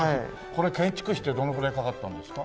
これ建築費ってどのぐらいかかったんですか？